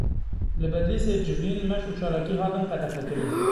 Li Bedlîsê civîn, meş û çalakî hatin qedexekirin.